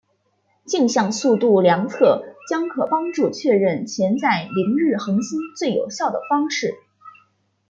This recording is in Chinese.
径向速度量测将可帮助确认潜在凌日恒星最有效的方式。